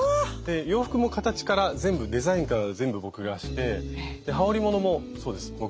洋服も形から全部デザインから全部僕がして羽織ものもそうです。